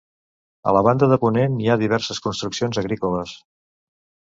A la banda de ponent hi ha diverses construccions agrícoles.